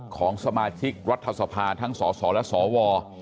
ของสมาชิกรัฐสภาทั้งสสและสว